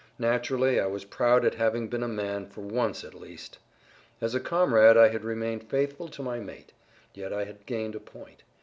Naturally I was proud at having been a man for once at least. As a comrade I had remained faithful to my mate. Yet I had gained a point.